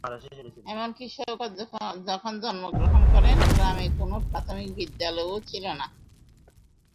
এমনকি শওকত যখন জন্মগ্রহণ করেন গ্রামে কোনো প্রাথমিক বিদ্যালয়ও ছিল না।